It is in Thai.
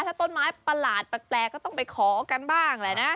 ถ้าต้นไม้ประหลาดแปลกก็ต้องไปขอกันบ้างแหละนะ